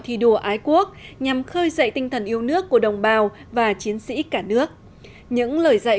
thi đua ái quốc nhằm khơi dậy tinh thần yêu nước của đồng bào và chiến sĩ cả nước những lời dạy